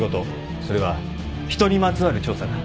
それは人にまつわる調査だ。